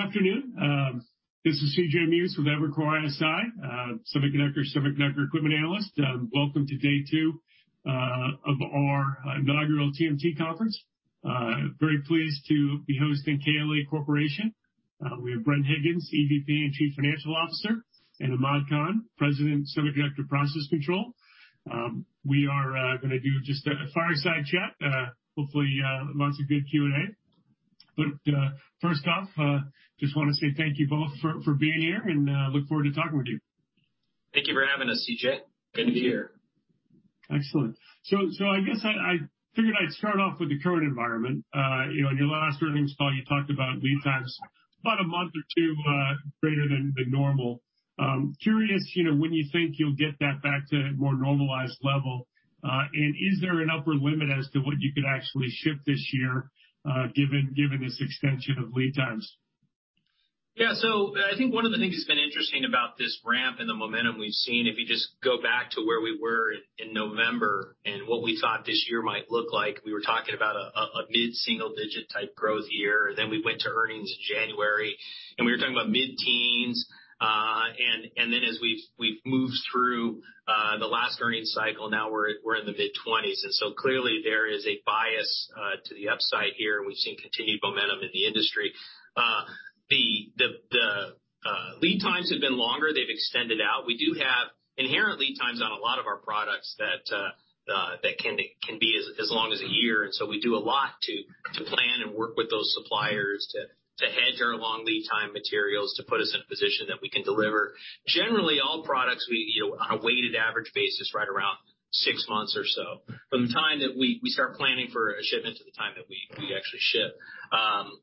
Good afternoon. This is CJ Muse with Evercore ISI, semiconductor equipment analyst. Welcome to day two of our Evercore ISI Inaugural TMT Conference. Very pleased to be hosting KLA Corporation. We have Bren Higgins, EVP and Chief Financial Officer, and Ahmad Khan, President, Semiconductor Process Control. We are going to do just a fireside chat. Hopefully, lots of good Q&A. First off, just want to say thank you both for being here, and look forward to talking with you. Thank you for having us, CJ Good to be here. Excellent. I guess I figured I'd start off with the current environment. In your last earnings call, you talked about lead times, about a month or two greater than normal. Curious, when you think you'll get that back to a more normalized level, and is there an upper limit as to what you could actually ship this year, given this extension of lead times? I think one of the things that's been interesting about this ramp and the momentum we've seen, if you just go back to where we were in November and what we thought this year might look like, we were talking about a mid-single-digit type growth year. We went to earnings in January, and we were talking about mid-teens. As we've moved through the last earnings cycle, now we're in the mid-20s. Clearly there is a bias to the upside here, and we've seen continued momentum in the industry. The lead times have been longer. They've extended out. We do have inherent lead times on a lot of our products that can be as long as one year. We do a lot to plan and work with those suppliers to hedge our long lead time materials to put us in a position that we can deliver. Generally, all products, on a weighted average basis, right around six months or so from the time that we start planning for a shipment to the time that we actually ship.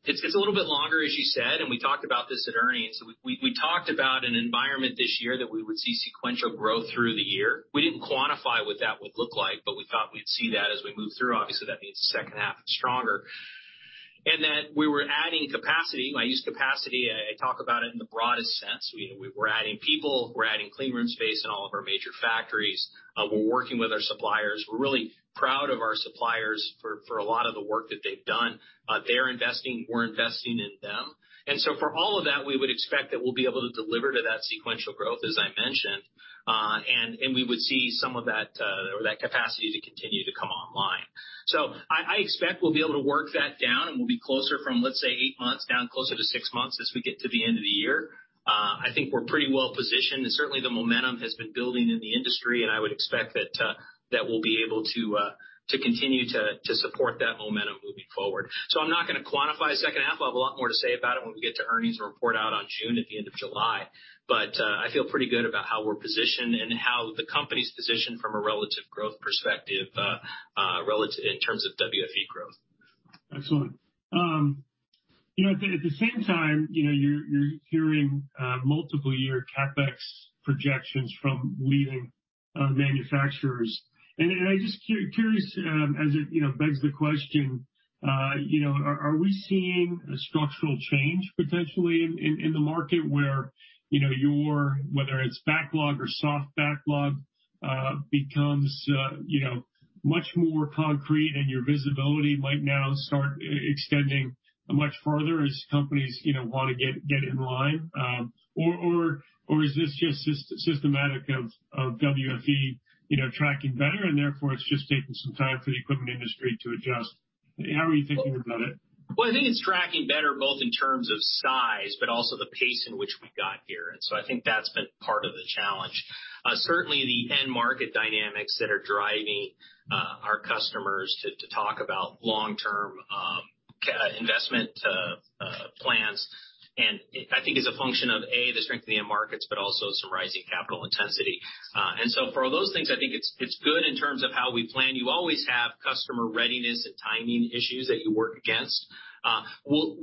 It's a little bit longer, as you said. We talked about this at earnings. We talked about an environment this year that we would see sequential growth through the year. We didn't quantify what that would look like. We thought we'd see that as we move through. Obviously, that means the second half is stronger. We were adding capacity. When I use capacity, I talk about it in the broadest sense. We were adding people, we're adding clean room space in all of our major factories. We're working with our suppliers. We're really proud of our suppliers for a lot of the work that they've done. They're investing. We're investing in them. For all of that, we would expect that we'll be able to deliver to that sequential growth, as I mentioned. We would see some of that capacity to continue to come online. I expect we'll be able to work that down. We'll be closer from, let's say, eight months down closer to six months as we get to the end of the year. I think we're pretty well-positioned, certainly the momentum has been building in the industry, I would expect that we'll be able to continue to support that momentum moving forward. I'm not going to quantify the second half. I have a lot more to say about it when we get to earnings report out on June, at the end of July. I feel pretty good about how we're positioned and how the company's positioned from a relative growth perspective, in terms of WFE growth. Excellent. At the same time, you're hearing multiple-year CapEx projections from leading manufacturers. I'm just curious, as it begs the question, are we seeing a structural change potentially in the market where your, whether it's backlog or soft backlog, becomes much more concrete and your visibility might now start extending much farther as companies want to get in line? Or is this just systematic of WFE tracking better and therefore it's just taking some time for the equipment industry to adjust? How are you thinking about it? Well, I think it's tracking better both in terms of size, but also the pace in which we got here, and so I think that's been part of the challenge. Certainly, the end market dynamics that are driving our customers to talk about long-term investment plans, and I think it's a function of, A., the strength in the markets, but also it's the rising capital intensity. For all those things, I think it's good in terms of how we plan. You always have customer readiness and timing issues that you work against.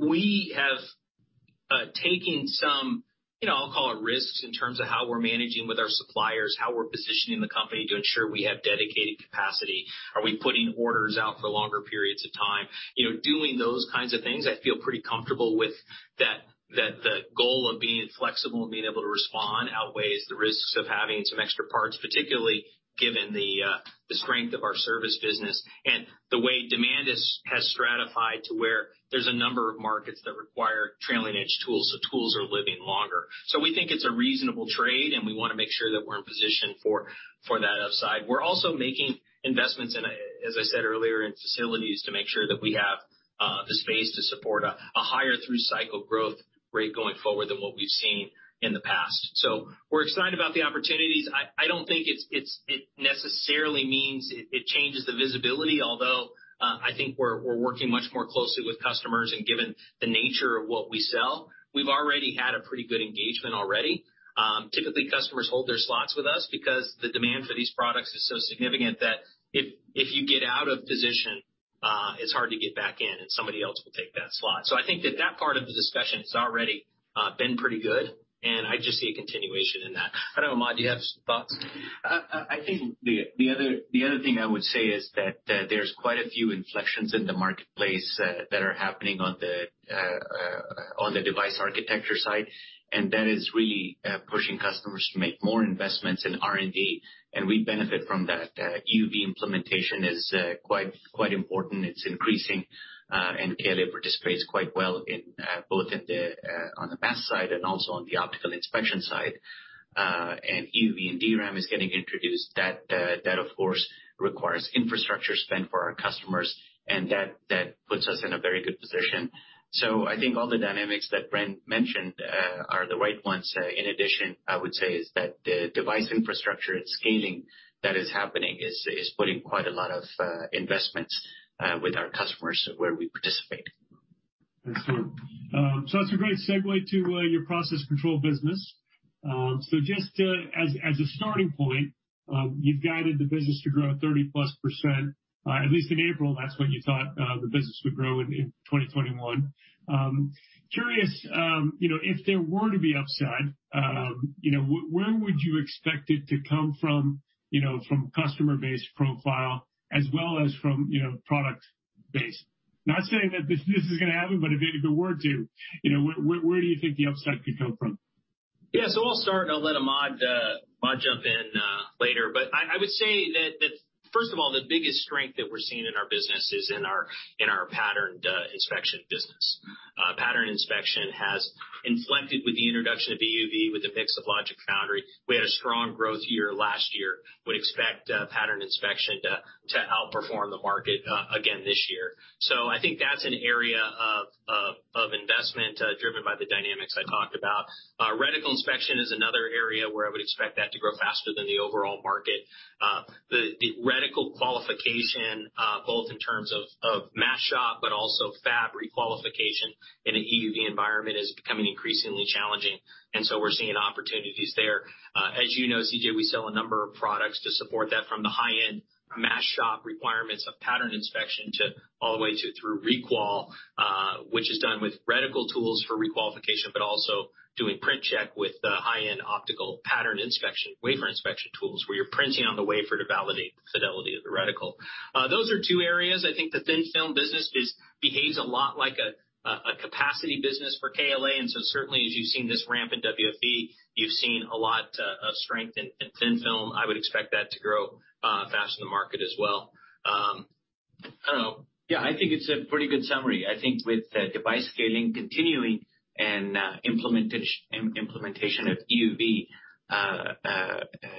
We have taken some, I'll call it risks, in terms of how we're managing with our suppliers, how we're positioning the company to ensure we have dedicated capacity. Are we putting orders out for longer periods of time? Doing those kinds of things, I feel pretty comfortable with the goal of being flexible and being able to respond outweighs the risks of having some extra parts, particularly given the strength of our service business and the way demand has stratified to where there's a number of markets that require trailing edge tools, so tools are living longer. We think it's a reasonable trade, and we want to make sure that we're positioned for that upside. We're also making investments in, as I said earlier, in facilities to make sure that we have the space to support a higher through-cycle growth rate going forward than what we've seen in the past. We're excited about the opportunities. I don't think it necessarily means it changes the visibility, although I think we're working much more closely with customers, and given the nature of what we sell, we've already had a pretty good engagement already. Typically, customers hold their slots with us because the demand for these products is so significant that if you get out of position, it's hard to get back in, and somebody else will take that slot. I think that that part of the discussion has already been pretty good, and I just see a continuation in that. I don't know, Ahmad, do you have thoughts? I think the other thing I would say is that there's quite a few inflections in the marketplace that are happening on the device architecture side, and that is really pushing customers to make more investments in R&D, and we benefit from that. EUV implementation is quite important. It's increasing, and KLA participates quite well both on the mask side and also on the optical inspection side. EUV and DRAM is getting introduced. That, of course, requires infrastructure spend for our customers, and that puts us in a very good position. I think all the dynamics that Bren mentioned are the right ones. In addition, I would say is that the device infrastructure and scaling that is happening is putting quite a lot of investments with our customers where we participate. Excellent. That's a great segue to your process control business. Just as a starting point, you've guided the business to grow 30+%, at least in April, that's what you thought the business would grow in 2021. Curious, if there were to be upside, where would you expect it to come from customer base profile as well as from product base? Not saying that this is going to happen, but if it were to, where do you think the upside could come from? Yeah. I'll start and let Ahmad jump in later. I would say that first of all, the biggest strength that we're seeing in our business is in our pattern inspection business. Pattern inspection has inflected with the introduction of EUV with the Pixel Logic foundry. We had a strong growth year last year. We expect pattern inspection to outperform the market again this year. I think that's an area of investment driven by the dynamics I talked about. Reticle inspection is another area where we expect that to grow faster than the overall market. The reticle qualification, both in terms of mask shop but also fab requalification in an EUV environment, is becoming increasingly challenging, we're seeing opportunities there. As you know, CJ, we sell a number of products to support that from the high-end mask shop requirements of pattern inspection all the way through requal, which is done with reticle tools for requalification, but also doing print check with high-end optical pattern inspection, wafer inspection tools, where you're printing on the wafer to validate the fidelity of the reticle. Those are two areas. I think the thin film business behaves a lot like a capacity business for KLA, and so certainly, as you've seen this ramp in WFE, you've seen a lot of strength in thin film. I would expect that to grow faster than the market as well. Yeah, I think it's a pretty good summary. I think with device scaling continuing and implementation of EUV,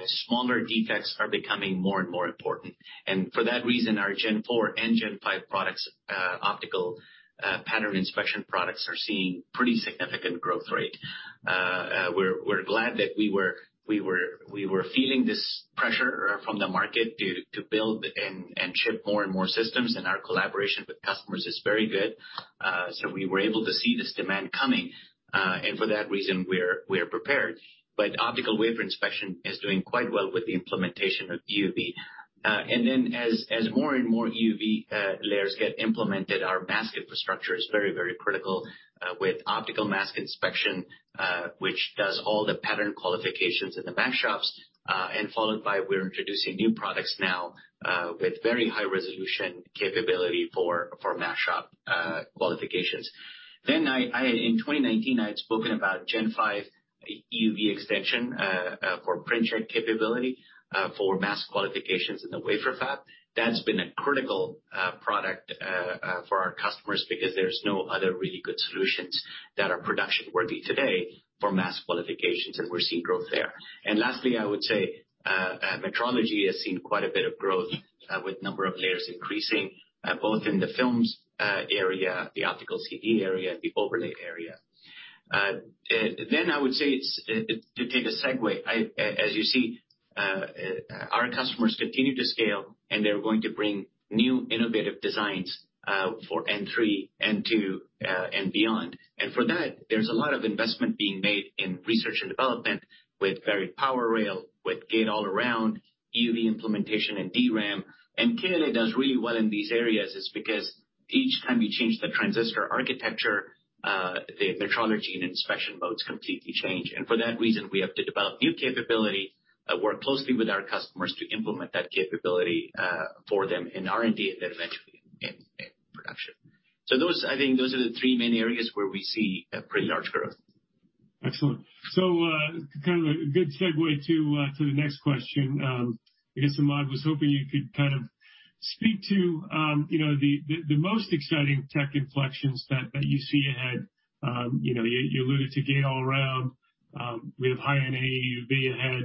smaller defects are becoming more and more important. For that reason, our Gen4 and Gen5 products, optical pattern inspection products, are seeing pretty significant growth rate. We're glad that we were feeling this pressure from the market to build and ship more and more systems, and our collaboration with customers is very good. We were able to see this demand coming, and for that reason, we are prepared. Optical wafer inspection is doing quite well with the implementation of EUV. As more and more EUV layers get implemented, our mask infrastructure is very, very critical with optical mask inspection, which does all the pattern qualifications in the mask shops, and followed by we're introducing new products now with very high-resolution capability for mask shop qualifications. In 2019, I'd spoken about Gen5 EUV extension for print check capability for mask qualifications in the wafer fab. That's been a critical product for our customers because there's no other really good solutions that are production-worthy today for mask qualifications, and we're seeing growth there. Lastly, I would say metrology has seen quite a bit of growth with number of layers increasing, both in the films area, the Optical CD area, the overlay area. To take a segue, as you see, our customers continue to scale, and they're going to bring new innovative designs for N3, N2, and beyond. For that, there's a lot of investment being made in research and development with Buried Power Rail, with Gate-All-Around, EUV implementation and DRAM. KLA does really well in these areas is because each time you change the transistor architecture, the metrology and inspection modes completely change. For that reason, we have to develop new capability, work closely with our customers to implement that capability for them in R&D and eventually in production. I think those are the three main areas where we see a pretty large growth. Excellent. Kind of a good segue to the next question. I guess, Ahmad, I was hoping you could kind of speak to the most exciting tech inflections that you see ahead. You alluded to Gate-All-Around with High-NA EUV ahead.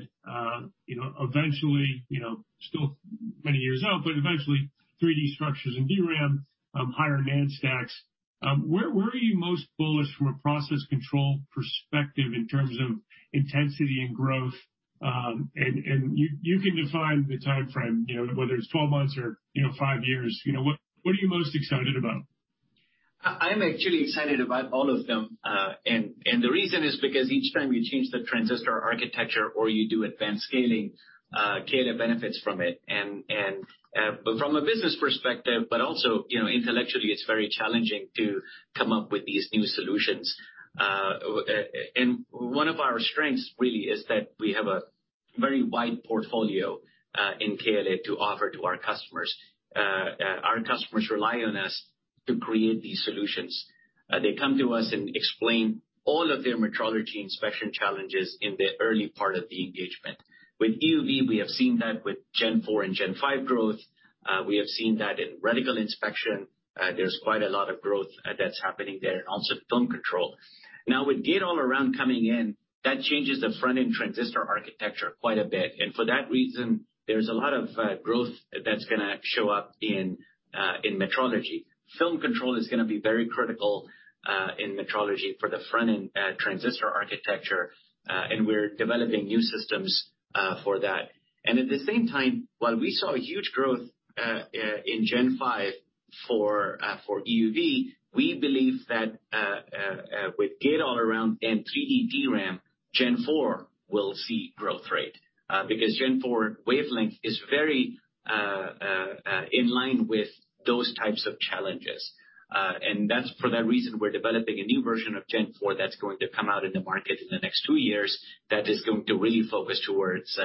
Eventually, still many years out, but eventually 3D structures in DRAM, higher NAND stacks. Where are you most bullish from a process control perspective in terms of intensity and growth? You can define the timeframe, whether it's 12 months or five years. What are you most excited about? I'm actually excited about all of them, the reason is because each time you change the transistor architecture or you do advanced scaling, KLA benefits from it. From a business perspective, but also intellectually, it's very challenging to come up with these new solutions. One of our strengths really is that we have a very wide portfolio in KLA to offer to our customers. Our customers rely on us to create these solutions. They come to us and explain all of their metrology inspection challenges in the early part of the engagement. With EUV, we have seen that with Gen4 and Gen5 growth. We have seen that in reticle inspection. There's quite a lot of growth that's happening there, and also film control. Now with Gate-All-Around coming in, that changes the front-end transistor architecture quite a bit. For that reason, there's a lot of growth that's going to show up in metrology. Film control is going to be very critical in metrology for the front-end transistor architecture, and we're developing new systems for that. At the same time, while we saw a huge growth in Gen5 for EUV, we believe that with Gate-All-Around and 3D DRAM, Gen4 will see growth rate. Gen4 wavelength is very in line with those types of challenges. That's for that reason we're developing a new version of Gen4 that's going to come out in the market in the next two years that is going to really focus towards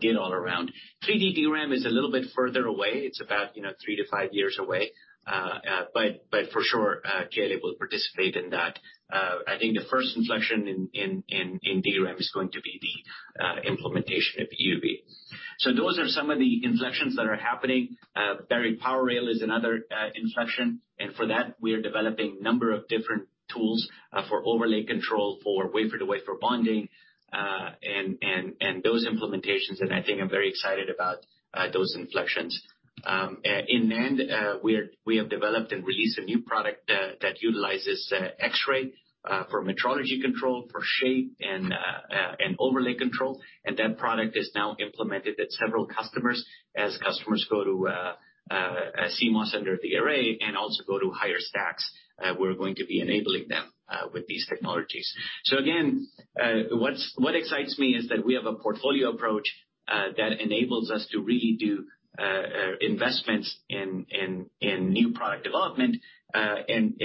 Gate-All-Around. 3D DRAM is a little bit further away. It's about three to five years away. For sure, KLA will participate in that. I think the first inflection in DRAM is going to be the implementation of EUV. Those are some of the inflections that are happening. Buried power rail is another inflection, and for that, we are developing a number of different tools for overlay control, for wafer-to-wafer bonding, and those implementations, and I think I'm very excited about those inflections. In the end, we have developed and released a new product that utilizes X-ray for metrology control, for shape and overlay control, and that product is now implemented at several customers as customers go to CMOS under the array and also go to higher stacks. We're going to be enabling them with these technologies. Again, what excites me is that we have a portfolio approach that enables us to really do investments in new product development and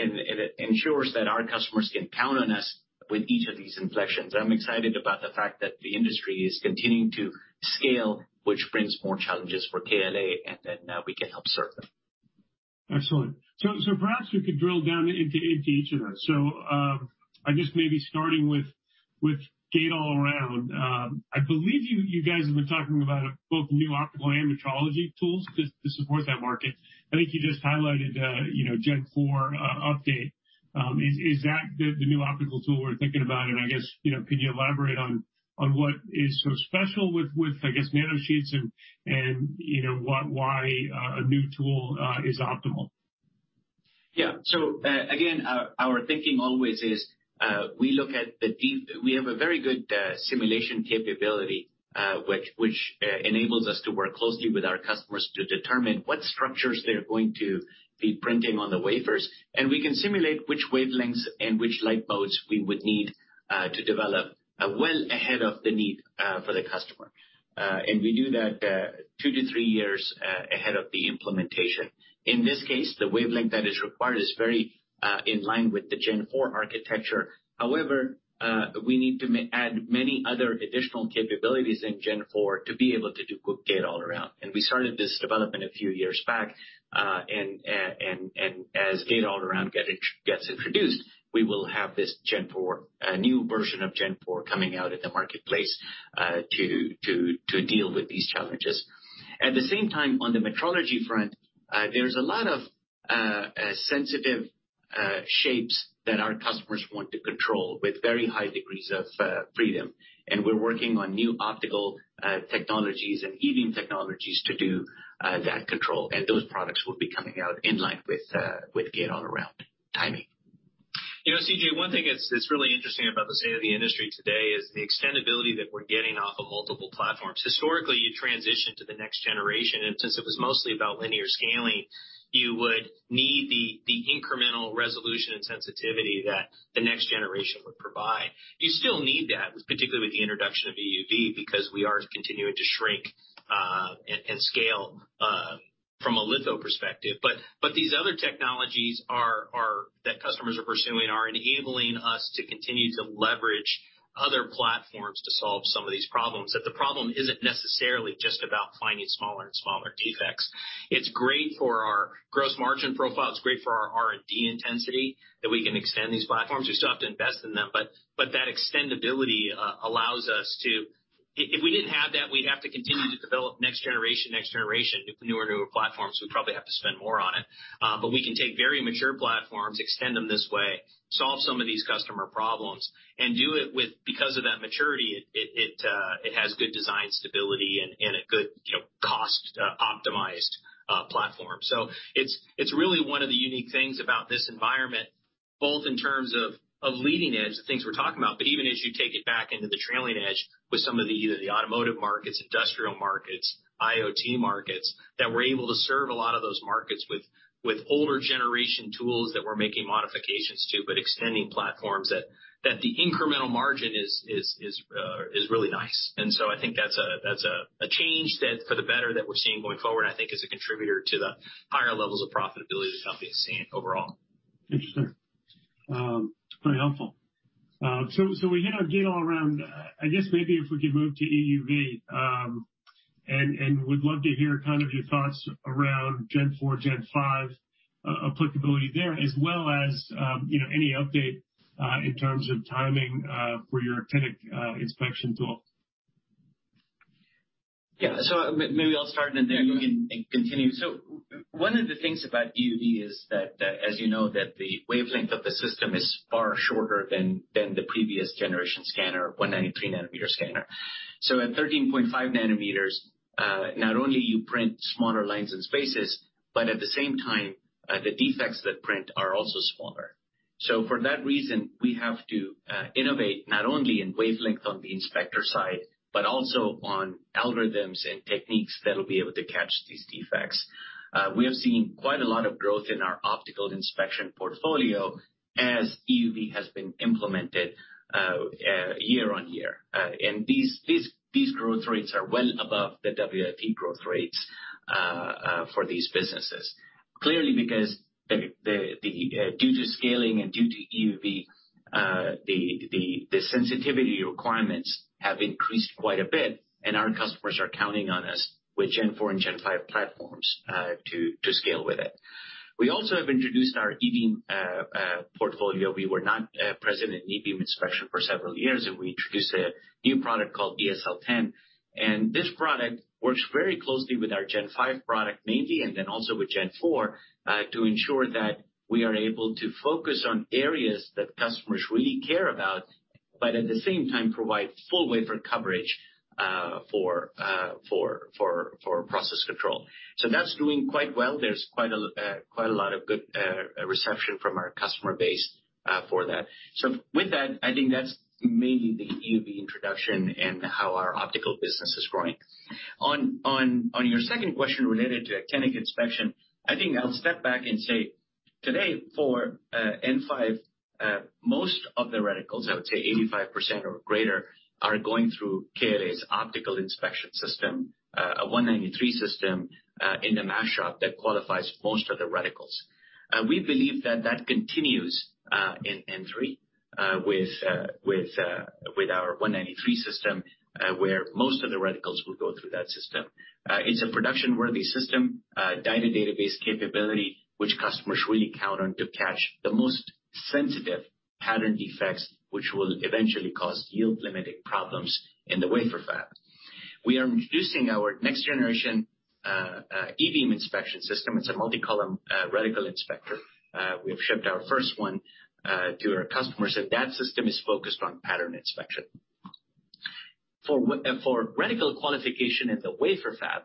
ensures that our customers can count on us with each of these inflections. I'm excited about the fact that the industry is continuing to scale, which brings more challenges for KLA, and that we can help serve them. Excellent. Perhaps we could drill down into each of those. I guess maybe starting with Gate-All-Around. I believe you guys have been talking about both new optical layer metrology tools to support that market. I think you just highlighted the Gen4 update. Is that the new optical tool we're thinking about? I guess, could you elaborate on what is so special with nanosheets and why a new tool is optimal? Again, our thinking always is we have a very good simulation capability which enables us to work closely with our customers to determine what structures they're going to be printing on the wafers, and we can simulate which wavelengths and which light bulbs we would need to develop well ahead of the need for the customer. We do that two to three years ahead of the implementation. In this case, the wavelength that is required is very in line with the Gen4 architecture. We need to add many other additional capabilities in Gen4 to be able to do Gate-All-Around. We started this development a few years back, and as Gate-All-Around gets introduced, we will have this new version of Gen4 coming out in the marketplace to deal with these challenges. At the same time, on the metrology front, there's a lot of sensitive shapes that our customers want to control with very high degrees of freedom, and we're working on new optical technologies and heating technologies to do that control, and those products will be coming out in line with Gate-All-Around timing. CJ, one thing that's really interesting about the state of the industry today is the extendibility that we're getting off of multiple platforms. Historically, you transition to the next generation, and since it was mostly about linear scaling, you would need the incremental resolution and sensitivity that the next generation would provide. You still need that, particularly with the introduction of EUV, because we are continuing to shrink and scale from a litho perspective. These other technologies that customers are pursuing are enabling us to continue to leverage other platforms to solve some of these problems, that the problem isn't necessarily just about finding smaller and smaller defects. It's great for our gross margin profile. It's great for our R&D intensity that we can extend these platforms. We still have to invest in them, but that extendibility allows us. If we didn't have that, we'd have to continue to develop next generation. If we knew our newer platforms, we'd probably have to spend more on it. We can take very mature platforms, extend them this way, solve some of these customer problems, and do it with, because of that maturity, it has good design stability and a good cost-optimized platform. It's really one of the unique things about this environment, both in terms of leading edge, the things we're talking about, but even as you take it back into the trailing edge with some of the automotive markets, industrial markets, IoT markets, that we're able to serve a lot of those markets with older generation tools that we're making modifications to, but extending platforms that the incremental margin is really nice. I think that's a change for the better that we're seeing going forward, I think is a contributor to the higher levels of profitability that we've seen overall. It's pretty helpful. Again, all around, I guess maybe if we could move to EUV, and we'd love to hear your thoughts around Gen4, Gen5 applicability there, as well as any update in terms of timing for your actinic inspection tool. Yeah. Maybe I'll start and then you can continue. One of the things about EUV is that, as you know, that the wavelength of the system is far shorter than the previous generation scanner, 193 nanometer scanner. At 13.5 nm, not only you print smaller lines and spaces, but at the same time, the defects that print are also smaller. For that reason, we have to innovate not only in wavelength on the inspector side, but also on algorithms and techniques that will be able to catch these defects. We have seen quite a lot of growth in our optical inspection portfolio as EUV has been implemented year-on-year. These growth rates are well above the WFE growth rates for these businesses. Clearly because due to scaling and due to EUV, the sensitivity requirements have increased quite a bit, and our customers are counting on us with Gen4 and Gen5 platforms to scale with it. We also have introduced our eBeam portfolio. We were not present in eBeam inspection for several years, and we introduced a new product called eSL10, and this product works very closely with our Gen5 product, Navy, and then also with Gen4, to ensure that we are able to focus on areas that customers really care about, but at the same time provide full wafer coverage for process control. That's doing quite well. There's quite a lot of good reception from our customer base for that. With that, I think that's mainly the EUV introduction and how our optical business is growing. On your second question related to actinic inspection, I think I'll step back and say today for N5, most of the reticles, I would say 85% or greater, are going through KLA's optical inspection system, a 193 system in the mask shop that qualifies most of the reticles. We believe that that continues in N3, with our 193 system, where most of the reticles will go through that system. It's a production-worthy system, dynamic database capability, which customers really count on to catch the most sensitive pattern defects, which will eventually cause yield-limiting problems in the wafer fab. We are introducing our next generation eBeam inspection system. It's a multi-column reticle inspector. We've shipped our first one to our customers. That system is focused on pattern inspection. For reticle qualification in the wafer fab,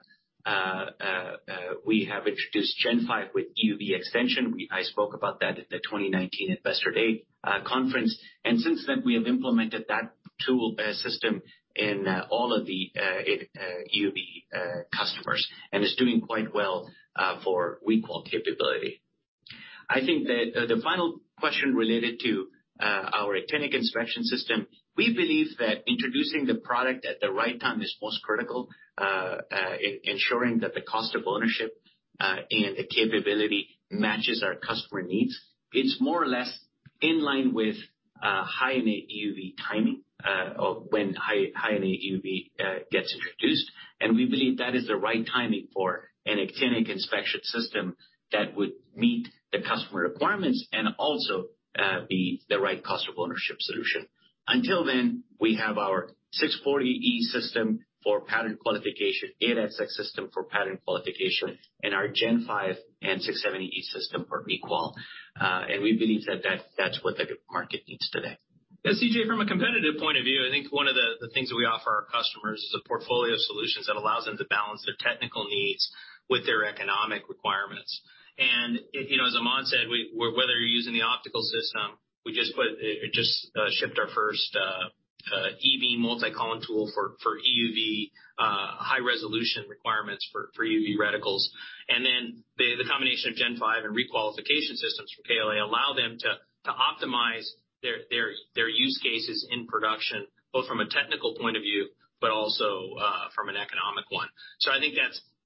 we have introduced Gen5 with EUV extension. I spoke about that at the 2019 Investor Day Conference, since then, we have implemented that tool system in all of the EUV customers, it's doing quite well for requal capability. I think that the final question related to our actinic inspection system, we believe that introducing the product at the right time is most critical in ensuring that the cost of ownership and the capability matches our customer needs. It's more or less in line with High-NA EUV timing, when High-NA EUV gets introduced. We believe that is the right timing for an actinic inspection system that would meet the customer requirements and also be the right cost of ownership solution. Until then, we have our Teron 640e system for pattern qualification, 8SX system for pattern qualification, and our Gen5 and EUV 670e XP2 system for requal. We believe that that's what the market needs today. Yeah, CJ, from a competitive point of view, I think one of the things that we offer our customers is a portfolio of solutions that allows them to balance their technical needs with their economic requirements. As Ahmad said, whether you're using the optical system, we just shipped our first eBeam multi-column tool for EUV high resolution requirements for EUV reticles. The combination of Gen5 and requalification systems for KLA allow them to optimize their use cases in production, both from a technical point of view, but also from an economic one. I think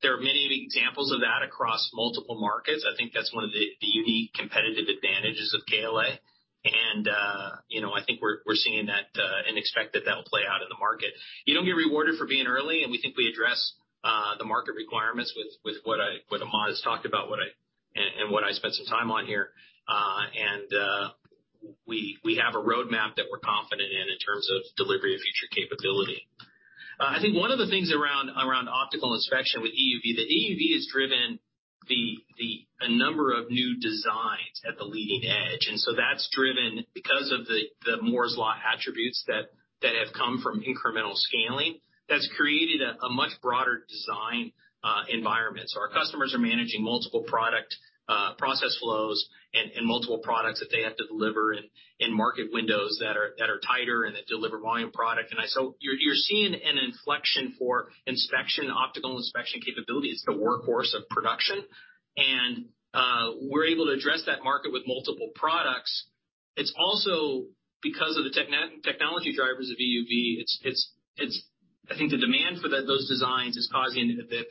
there are many examples of that across multiple markets. I think that's one of the unique competitive advantages of KLA, and I think we're seeing that and expect that that play out in the market. You don't get rewarded for being early, we think we address the market requirements with what Ahmad has talked about and what I spent some time on here. We have a roadmap that we're confident in terms of delivery of future capability. I think one of the things around optical inspection with EUV, the EUV has driven a number of new designs at the leading edge. That's driven because of the Moore's Law attributes that have come from incremental scaling, has created a much broader design environment. Our customers are managing multiple product process flows and multiple products that they have to deliver in market windows that are tighter and that deliver volume product. You're seeing an inflection for inspection and optical inspection capabilities, the workhorse of production. We're able to address that market with multiple products. It's also because of the technology drivers of EUV. I think the demand for those designs is causing the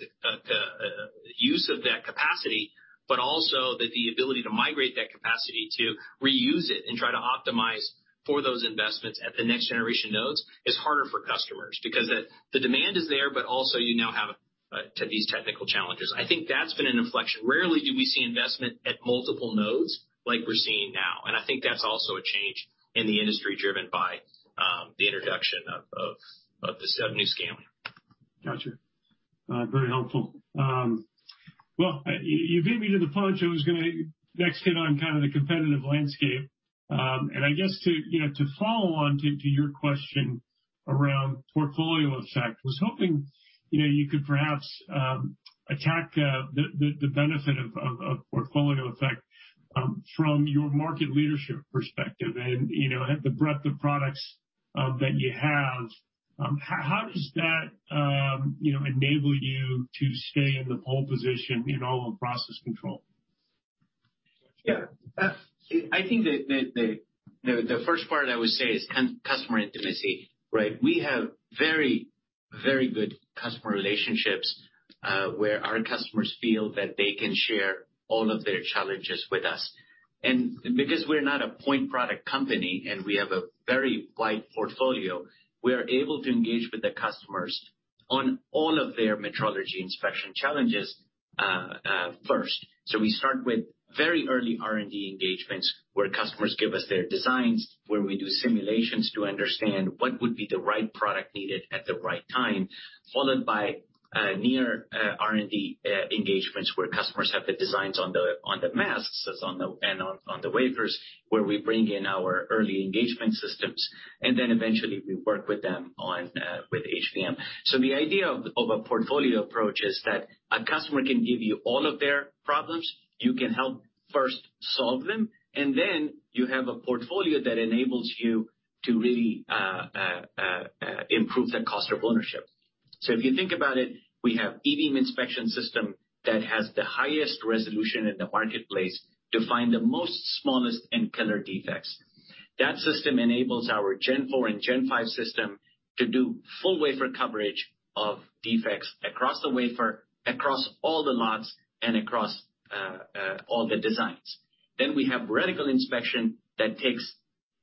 use of that capacity, but also that the ability to migrate that capacity to reuse it and try to optimize for those investments at the next generation nodes is harder for customers because the demand is there, but also you now have these technical challenges. I think that's been an inflection. Rarely do we see investment at multiple nodes like we're seeing now. I think that's also a change in the industry driven by the introduction of the seven EUV scan. Got you. Very helpful. Well, you beat me to the punch. I was going to next get on the competitive landscape. I guess to follow on to your question around portfolio effect, I was hoping you could perhaps attack the benefit of a portfolio effect from your market leadership perspective and the breadth of products that you have. How does that enable you to stay in the pole position in all of process control? I think the first part I would say is customer intimacy, right? We have very good customer relationships, where our customers feel that they can share all of their challenges with us. Because we're not a point product company and we have a very wide portfolio, we are able to engage with the customers on all of their metrology inspection challenges first. We start with very early R&D engagements where customers give us their designs, where we do simulations to understand what would be the right product needed at the right time, followed by near R&D engagements where customers have the designs on the masks and on the wafers, where we bring in our early engagement systems, and then eventually we work with them with HVM. The idea of a portfolio approach is that a customer can give you all of their problems, you can help first solve them, and then you have a portfolio that enables you to really improve the cost of ownership. If you think about it, we have eBeam inspection system that has the highest resolution in the marketplace to find the most smallest and killer defects. That system enables our Gen4 and Gen5 system to do full wafer coverage of defects across the wafer, across all the lots, and across all the designs. We have reticle inspection that takes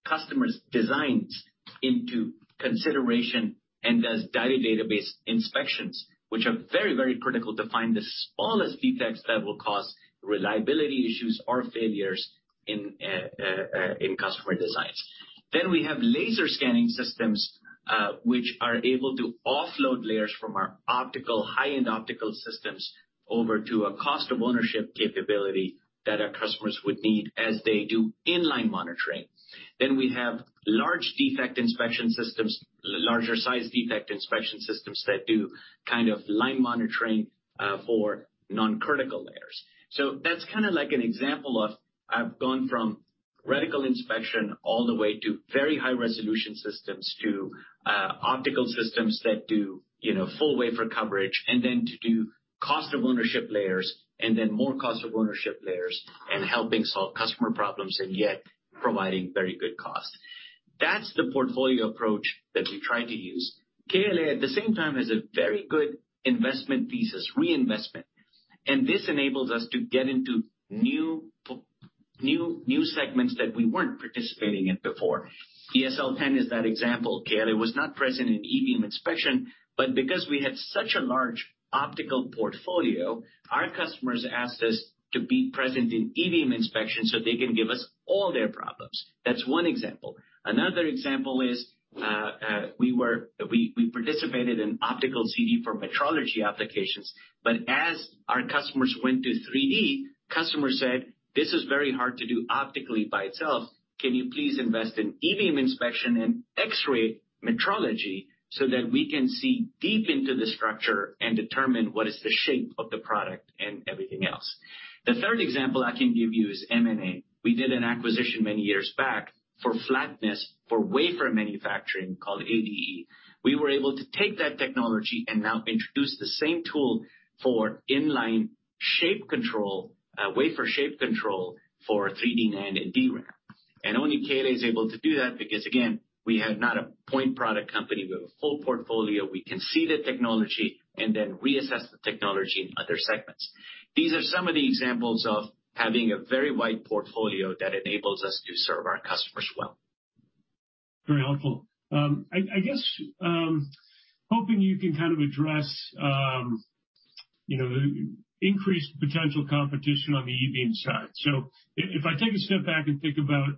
customers' designs into consideration and does data database inspections, which are very critical to find the smallest defects that will cause reliability issues or failures in customer designs. We have laser scanning systems, which are able to offload layers from our high-end optical systems over to a cost of ownership capability that our customers would need as they do in-line monitoring. We have larger size defect inspection systems that do line monitoring for non-critical layers. That's kind of like an example of I've gone from reticle inspection all the way to very high-resolution systems to optical systems that do full wafer coverage and then to do cost of ownership layers and then more cost of ownership layers and helping solve customer problems and yet providing very good cost. That's the portfolio approach that we try to use. KLA at the same time has a very good investment thesis, reinvestment, and this enables us to get into new segments that we weren't participating in before. eSL10 is that example. KLA was not present in eBeam inspection, but because we had such a large optical portfolio, our customers asked us to be present in eBeam inspection so they can give us all their problems. Another example is we participated in Optical CD for metrology applications, but as our customers went to 3D, customers said, "This is very hard to do optically by itself. Can you please invest in eBeam inspection and X-ray metrology so that we can see deep into the structure and determine what is the shape of the product and everything else?" The third example I can give you is MMA. We did an acquisition many years back for flatness for wafer manufacturing called ADE. We were able to take that technology and now introduce the same tool for in-line wafer shape control for 3D NAND and DRAM. Only KLA is able to do that because, again, we are not a point product company. We have a full portfolio. We can see the technology and then reassess the technology in other segments. These are some of the examples of having a very wide portfolio that enables us to serve our customers well. Very helpful. I guess, hoping you can kind of address the increased potential competition on the eBeam side. If I take a step back and think about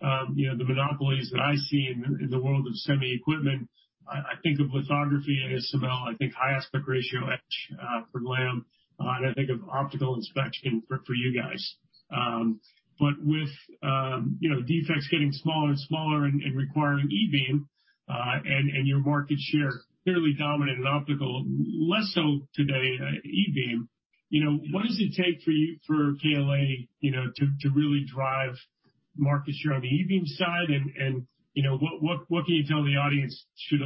the monopolies that I see in the world of semi equipment, I think of lithography and ASML, I think high aspect ratio etch for Lam, and I think of optical inspection for you guys. With defects getting smaller and smaller and requiring eBeam, and your market share clearly dominant in optical, less so today in eBeam, what does it take for KLA to really drive market share on the eBeam side? What can you tell the audience to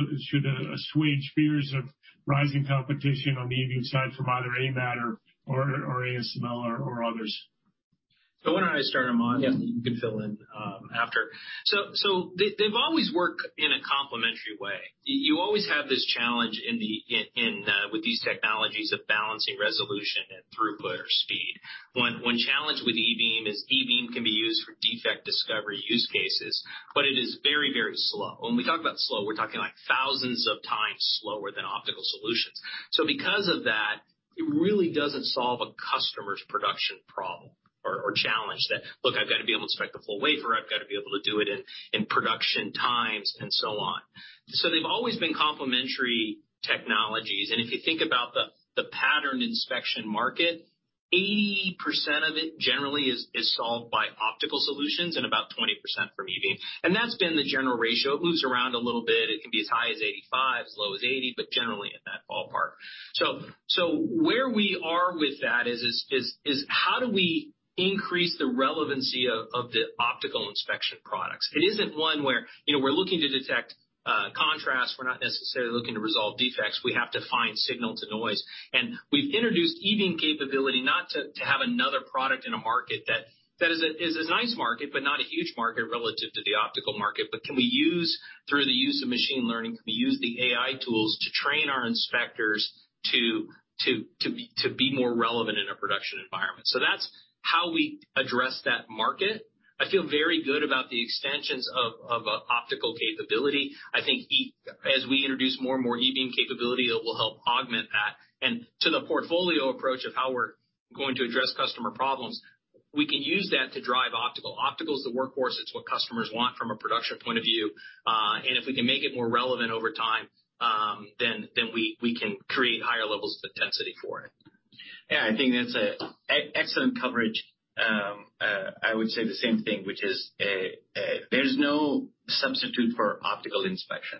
assuage fears of rising competition on the eBeam side from either AMAT or ASML or others? Why don't I start, Ahmad? Yeah. You can fill in after. They've always worked in a complementary way. You always have this challenge with these technologies of balancing resolution and throughput or speed. One challenge with eBeam is eBeam can be used for defect discovery use cases, but it is very slow. When we talk about slow, we're talking like thousands of times slower than optical solutions. Because of that, it really doesn't solve a customer's production problem or challenge that, look, I've got to be able to inspect the full wafer, I've got to be able to do it in production times, and so on. They've always been complementary technologies, and if you think about the pattern inspection market, 80% of it generally is solved by optical solutions and about 20% from eBeam. That's been the general ratio. It moves around a little bit. It can be as high as 85, as low as 80, but generally in that ballpark. Where we are with that is, how do we increase the relevancy of the optical inspection products? It isn't one where we're looking to detect contrast. We're not necessarily looking to resolve defects. We have to find signal to noise. We've introduced eBeam capability not to have another product in a market that is a nice market, but not a huge market relative to the optical market. Can we use, through the use of machine learning, can we use the AI tools to train our inspectors to be more relevant in a production environment? That's how we address that market. I feel very good about the extensions of optical capability. I think as we introduce more and more eBeam capability, it will help augment that. To the portfolio approach of how we're going to address customer problems, we can use that to drive optical. Optical's the workhorse. It's what customers want from a production point of view. If we can make it more relevant over time, then we can create higher levels of density for it. Yeah, I think that's excellent coverage. I would say the same thing, which is there's no substitute for optical inspection.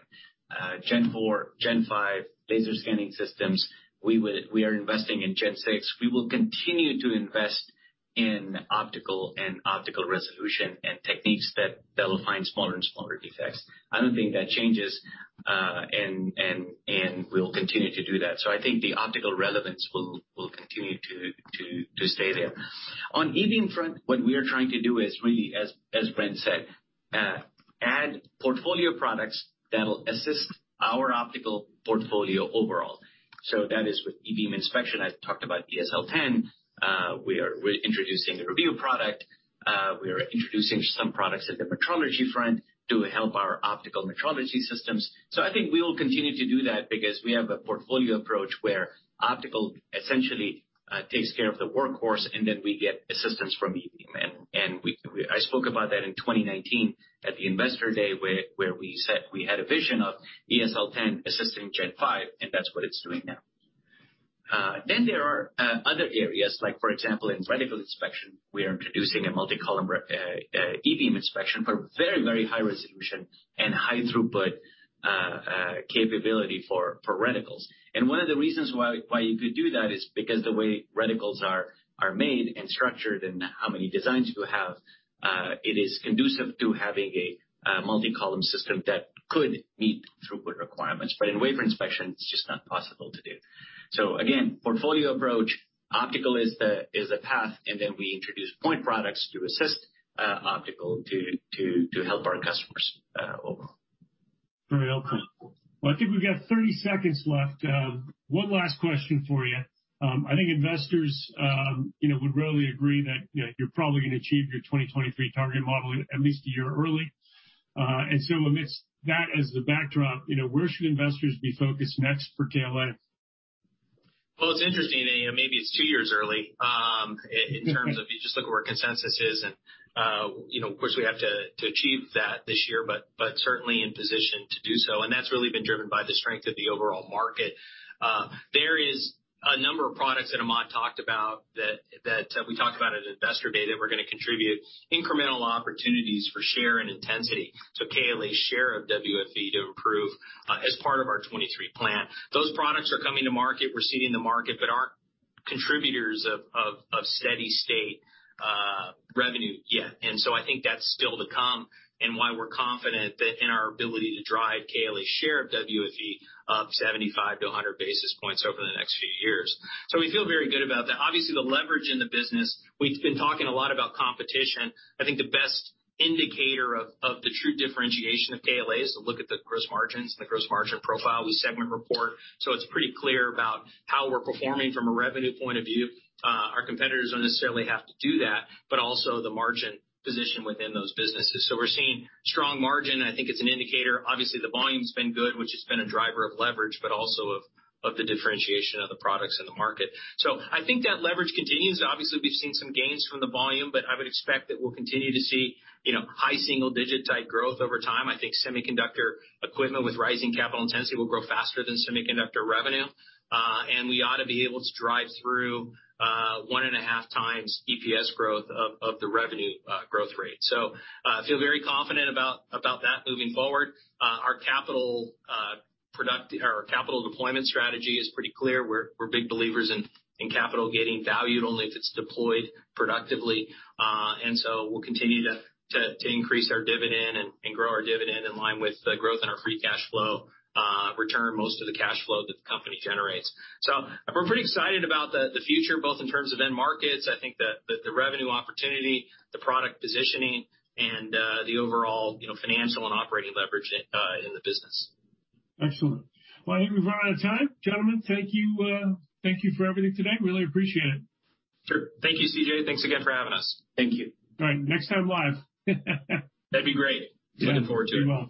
Gen4, Gen5 laser scanning systems, we are investing in Gen6. We will continue to invest in optical and optical resolution and techniques that will find smaller and smaller defects. I don't think that changes, and we'll continue to do that. I think the optical relevance will continue to stay there. On eBeam front, what we are trying to do is really, as Bren said, add portfolio products that'll assist our optical portfolio overall. That is with eBeam inspection. I talked about eSL10. We're introducing a review product. We are introducing some products at the metrology front to help our optical metrology systems. I think we will continue to do that because we have a portfolio approach where optical essentially takes care of the workhorse, and then we get assistance from eBeam. I spoke about that in 2019 at the Investor Day, where we said we had a vision of eSL10 assisting Gen5, and that's what it's doing now. There are other areas, like for example, in reticle inspection, we are introducing a multi-column eBeam inspection, but very high-resolution and high throughput capability for reticles. One of the reasons why you could do that is because the way reticles are made and structured and how many designs you have, it is conducive to having a multi-column system that could meet throughput requirements. In wafer inspection, it's just not possible to do. Again, portfolio approach, optical is the path, and then we introduce point products to assist optical to help our customers overall. Very helpful. Well, I think we've got 30 seconds left. One last question for you. I think investors would really agree that you're probably going to achieve your 2023 target model at least a year early. With that as the backdrop, where should investors be focused next for KLA? Well, it's interesting, maybe it's two years early, in terms of you just look where consensus is, and of course, we have to achieve that this year, but certainly in position to do so. That's really been driven by the strength of the overall market. There is a number of products that Ahmad talked about that we talked about at Investor Day that we're going to contribute incremental opportunities for share and intensity. KLA share of WFE to improve as part of our 2023 plan. Those products are coming to market. We're seeing the market, but aren't contributors of steady state revenue yet. I think that's still to come and why we're confident that in our ability to drive KLA share of WFE up 75 to 100 basis points over the next few years. We feel very good about that. The leverage in the business, we've been talking a lot about competition. I think the best indicator of the true differentiation of KLA, look at the gross margins, the gross margin profile, we segment report. It's pretty clear about how we're performing from a revenue point of view. Our competitors don't necessarily have to do that, also the margin position within those businesses. We're seeing strong margin, and I think it's an indicator. The volume's been good, which has been a driver of leverage, also of the differentiation of the products in the market. I think that leverage continues. We've seen some gains from the volume, I would expect that we'll continue to see high single-digit type growth over time. I think semiconductor equipment with rising capital intensity will grow faster than semiconductor revenue. We ought to be able to drive through 1.5x EPS growth of the revenue growth rate. Feel very confident about that moving forward. Our capital deployment strategy is pretty clear. We're big believers in capital getting valued only if it's deployed productively. We'll continue to increase our dividend and grow our dividend in line with the growth in our free cash flow, return most of the cash flow that the company generates. We're pretty excited about the future, both in terms of end markets. I think that the revenue opportunity, the product positioning, and the overall financial and operating leverage in the business. Excellent. Well, I think we've run out of time. Gentlemen, thank you for everything today. Really appreciate it. Sure. Thank you, CJ. Thanks again for having us. Thank you. All right, next time live. That'd be great. Look forward to it.